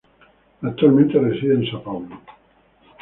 Actualmente reside en São Paulo.